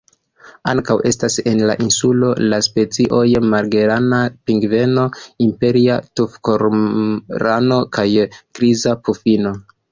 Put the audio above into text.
Ankaŭ estas en la insuloj la specioj Magelana pingveno, Imperia tufkormorano kaj Griza pufino.